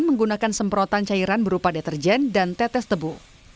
menggunakan semprotan cairan berupa deterjen dan tetes tebu